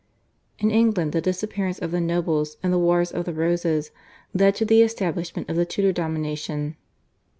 In England the disappearance of the nobles in the Wars of the Roses led to the establishment of the Tudor domination.